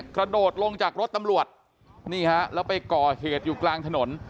กระโดดลงจากรถตำรวจนี่ฮะแล้วไปก่อเหตุอยู่กลางถนน